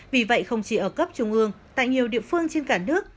vì vậy không chỉ ở cấp trung ương tại nhiều địa phương trên cả nước